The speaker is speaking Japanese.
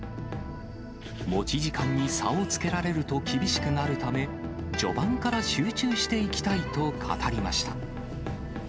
持ち時間に差をつけられると厳しくなるため、序盤から集中していきたいと語りました。